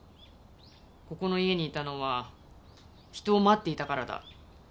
「ここの家にいたのは人を待っていたからだ」